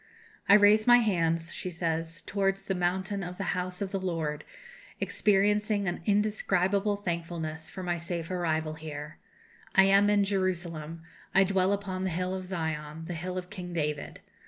"I raise my hands," she says, "towards the mountain of the house of the Lord, experiencing an indescribable thankfulness for my safe arrival here. I am in Jerusalem; I dwell upon the hill of Zion the hill of King David.